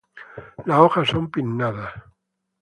Las hojas son pinnadas.